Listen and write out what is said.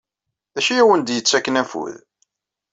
D acu i awen-d-yettakken afud?